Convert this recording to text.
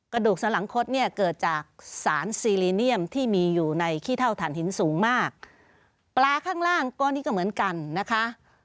กระดูกสลังคดเนี่ยเกิดจากสารซีลิเนียมที่มีอยู่ในขี้เท่าฐานหินสูงมากปลาข้างล่างก็นี่ก็เหมือนกันนะคะ